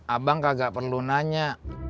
abang kagak perlu nanya